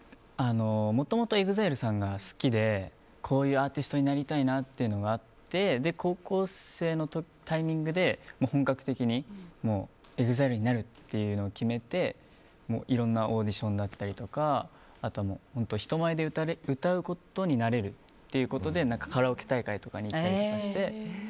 もともとＥＸＩＬＥさんが好きでこういうアーティストになりたいなっていうのがあって高校生のタイミングで本格的にＥＸＩＬＥになるというのを決めていろんなオーディションだったりとか人前で歌うことに慣れるということでカラオケ大会とかに行ったりとかして。